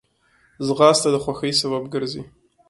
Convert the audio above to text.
ځغاسته د خوښۍ سبب ګرځي